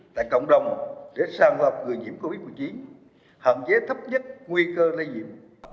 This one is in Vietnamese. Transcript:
tại cộng đồng để sàng hợp người nhiễm covid một mươi chín hạn chế thấp nhất nguy cơ lây nhiễm